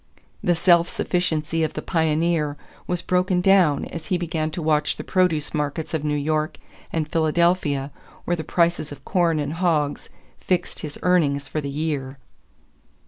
The self sufficiency of the pioneer was broken down as he began to watch the produce markets of New York and Philadelphia where the prices of corn and hogs fixed his earnings for the year.